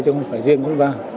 chứ không phải riêng quốc gia